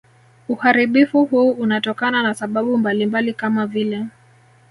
Uharibifu huu unatokana na sababu mbalimbali kama vile